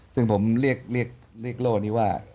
ซึ่งผมเรียกโล่นี้ว่า